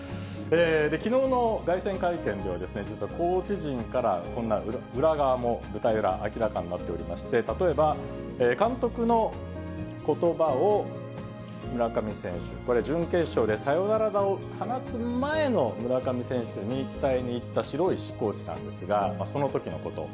きのうの凱旋会見では、実はコーチ陣からこんな裏側も、舞台裏、明らかになっておりまして、例えば監督のことばを村上選手、これ、準決勝でサヨナラ打を放つ前の村上選手に伝えに行った城石コーチなんですが、そのときのこと。